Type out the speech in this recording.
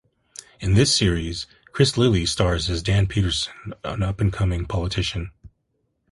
In this series, Chris Lilli stars as Dan Pederson, an up-and-coming politician.